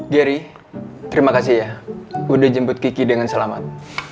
gery terima kasih ya udah jemput kiki dengan selamat